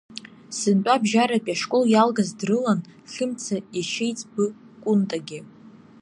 Сынтәа абжьаратәи ашкол иалгаз дрылан Хьымца иашьеиҵбы Кәынтагьы.